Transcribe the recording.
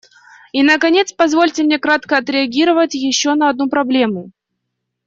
И наконец, позвольте мне кратко отреагировать еще на одну проблему.